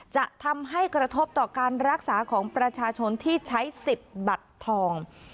จะทำให้กระทบต่อการรักษาของประชาชนที่ใช้สิทธิ์บัตรทอง